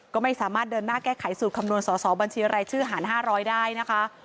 ก็ไม่สามารถเดินหน้าแก้ไขสูตรคำนวณสอสอบัญชีรายชื่อหาร๕๐๐ได้นะคะ